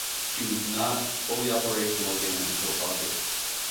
She was not fully operational again until August.